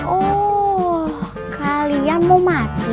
oh kalian mau mati